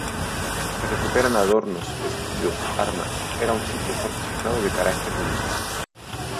Se recuperan adornos, vestidos, armas… Era un sitio fortificado de carácter militar.